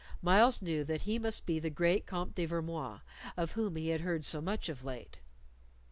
Myles knew that he must be the great Comte de Vermoise, of whom he had heard so much of late.